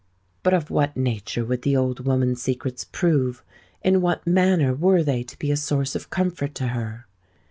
But of what nature would the old woman's secrets prove? in what manner were they to be a source of comfort to her?